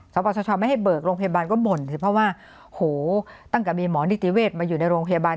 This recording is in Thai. ปปชไม่ให้เบิกโรงพยาบาลก็บ่นสิเพราะว่าโหตั้งแต่มีหมอนิติเวศมาอยู่ในโรงพยาบาล